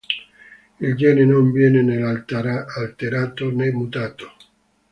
Il gene non viene né alterato né mutato.